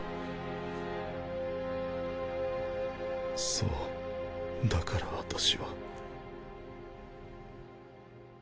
そうだから私は。